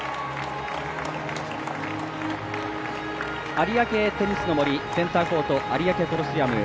有明テニスの森センターコート、有明コロシアム。